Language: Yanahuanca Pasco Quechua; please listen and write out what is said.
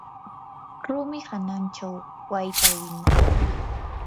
rumi hananchaw wayta winaykan.